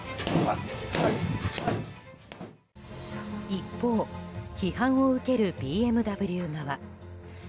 一方、批判を受けるＢＭＷ側。